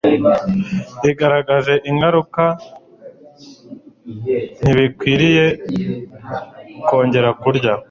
igaragaje ingaruka. Ntibikwiriye kongera kurya